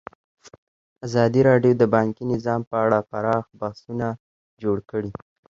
ازادي راډیو د بانکي نظام په اړه پراخ بحثونه جوړ کړي.